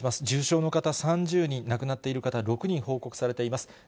重症の方３０人、亡くなっている方６人報告されています。